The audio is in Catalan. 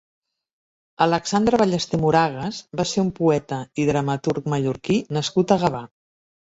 Alexandre Ballester Moragues va ser un poeta i dramaturg mallorquí nascut a Gavà.